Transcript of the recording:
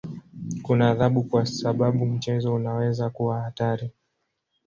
Kuna adhabu kwa sababu mchezo unaweza kuwa hatari.